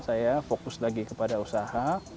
saya fokus lagi kepada usaha